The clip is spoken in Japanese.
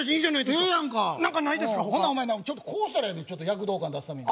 ほんならお前なちょっとこうしたらええねんちょっと躍動感出すために。